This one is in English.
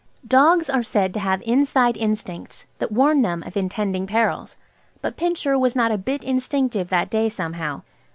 Dogs are said to have inside instincts that warn them of intending perils, but Pincher was not a bit instinctive that day somehow.